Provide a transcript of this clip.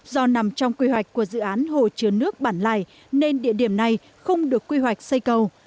do nằm trong quy hoạch của dự án hồ chứa nước bản lài nên địa điểm này không được quy hoạch xây cầu